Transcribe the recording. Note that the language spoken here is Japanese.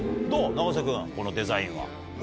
永瀬君このデザインは。